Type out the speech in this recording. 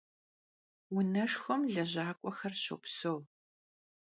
Vuneşşxuem lejak'uexer şopseu.